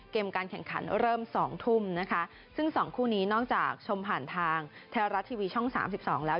เกมการแข่งขันเริ่ม๒ทุ่มนะคะซึ่ง๒คู่นี้นอกจากชมผ่านทางเทรารัสทีวีช่อง๓๒แล้ว